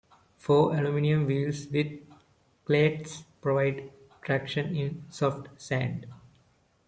Four aluminum wheels with cleats provide traction in soft sand.